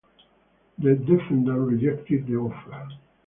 The defendant rejected the offer.